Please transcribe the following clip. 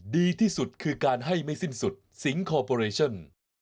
ดีที่สุดคือการให้ไม่สิ้นสุดสิงคอร์ปอเรชั่น